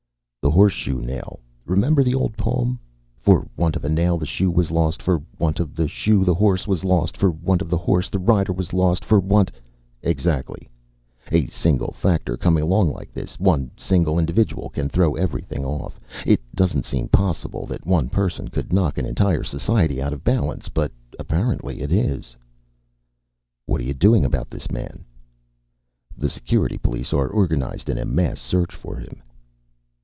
"The horse shoe nail. Remember the old poem? 'For want of a nail the shoe was lost. For want of the shoe the horse was lost. For want of the horse the rider was lost. For want '" "Exactly. A single factor coming along like this, one single individual, can throw everything off. It doesn't seem possible that one person could knock an entire society out of balance but apparently it is." "What are you doing about this man?" "The Security police are organized in a mass search for him."